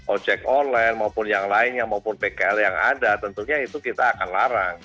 ojek online maupun yang lainnya maupun pkl yang ada tentunya itu kita akan larang